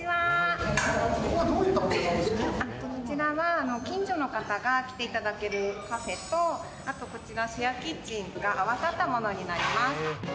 こちらは近所の方が来ていただけるカフェとシェアキッチンが合わさったものになります。